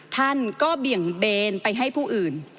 ท่านก็เบี่ยงเบนไปให้ผู้อื่น